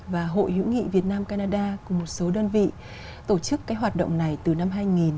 và hội hữu nghị việt nam canada cùng một số đơn vị tổ chức cái hoạt động này từ năm hai nghìn